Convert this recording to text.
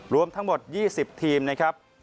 รวมทั้งหมด๒๐ทีมนะครับ